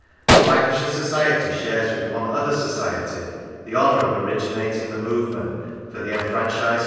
A Lancashire society shares with one other society the honour of originating the movement for the enfranchisement of women.